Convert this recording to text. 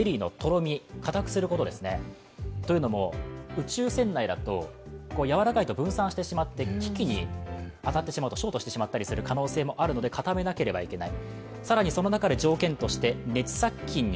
宇宙船内だとやわらかいと分散してしまって機器に当たってしまうとショートしてしまう可能性もあるということで固めなければいけない。